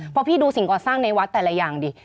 พอพี่ดูสิ่งก่อสร้างในวัดแต่ละอย่างดิ